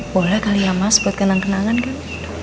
boleh kali ya mas buat kenang kenangan kan